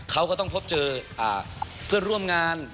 เขาก็ต้องพบเจอเพื่อนร่วมงาน